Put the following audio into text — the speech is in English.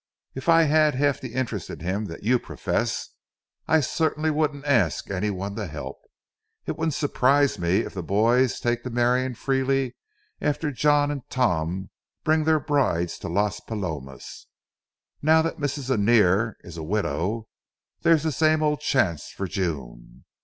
If I had half the interest in him that you profess, I certainly wouldn't ask any one to help. It wouldn't surprise me if the boys take to marrying freely after John and Tom bring their brides to Las Palomas. Now that Mrs. Annear is a widow, there's the same old chance for June.